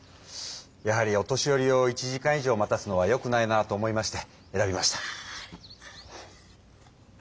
やはりお年寄りを１時間以上待たすのはよくないなと思いまして選びました。